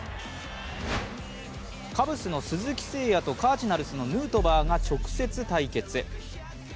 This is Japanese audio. カブスの鈴木誠也とカージナルスのヌートバーが直接対決。